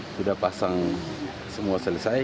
sudah pasang semua selesai